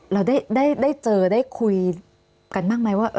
เราได้เจอได้คุยกันมากมายว่า